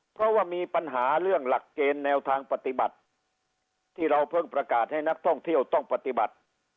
เพราะว่ามีปัญหาเรื่องหลักเกณฑ์แนวทางปฏิบัติที่เราเพิ่งประกาศให้นักท่องเที่ยวต้องปฏิบัติ